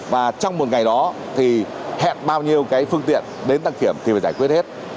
và trong một ngày đó thì hẹn bao nhiêu cái phương tiện đến đăng kiểm thì phải giải quyết hết